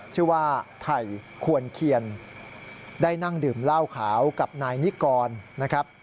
ชื่อว่าไถ่ควรเคียนได้นั่งดื่มเหล้าขาวกับนายนิกรนะครับ